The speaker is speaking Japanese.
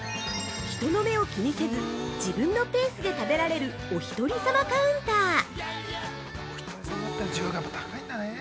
◆人の目を気にせず、自分のペースで食べられるお一人様カウンター。